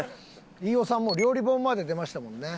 飯尾さんも料理本まで出ましたもんね。